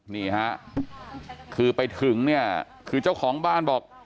นี่ฮะคือไปถึงเนี่ยคือเจ้าของบ้านบอก